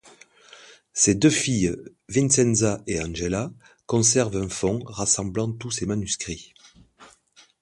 Ses deux filles, Vincenza et Angela, conservent un fonds rassemblant tous ses manuscrits.